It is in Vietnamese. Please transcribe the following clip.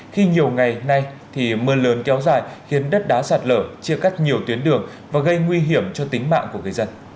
khi nhiều ngày nay thì mưa lớn kéo dài khiến đất đá sạt lở chia cắt nhiều tuyến đường và gây nguy hiểm cho tính mạng của người dân